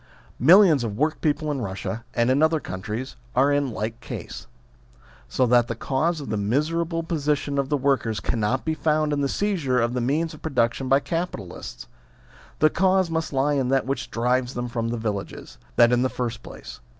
Millions of workpeople in Eussia, and in other countries, are in like case. So that the cause of the miserable position of the workers cannot be found in the seizure of the means of production by capitalists. The cause must lie in that which drives them from the villages. That in the first place.